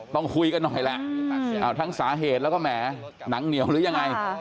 ต้องคุยกันหน่อยแหละทั้งสาเหตุแล้วก็แหมหนังเหนียวหรือยังไง